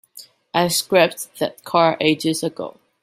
I scrapped that car ages ago.